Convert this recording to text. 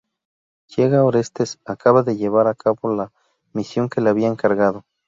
Llega Orestes: acaba de llevar a cabo la misión que le había encargado.